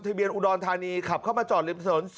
ที่เบียนอุดรธานีขับเข้ามาจอดเล็บสน